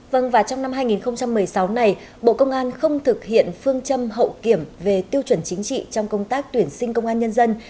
vâng và trong năm hai nghìn một mươi sáu này bộ công an không thực hiện phương châm hậu kiểm về tiêu chuẩn chính trị trong công tác tuyển sinh công an nhân dân